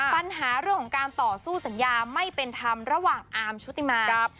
ปัญหาเรื่องของการต่อสู้สัญญาไม่เป็นธรรมระหว่างอาร์มชุติมา